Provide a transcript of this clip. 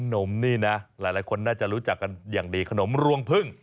นมนี่นะหลายคนน่าจะรู้จักกันอย่างดีขนมรวงพึ่ง